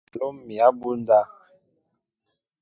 Awem sááŋ a lóm mi abunda.